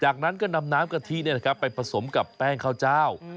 จากนั้นก็นำน้ำกะทิไปผสมกับแป้งข้าวเจ้า